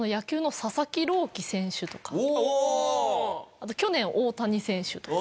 あと去年大谷選手とか。